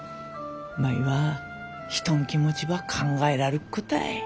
舞は人ん気持ちば考えらるっ子たい。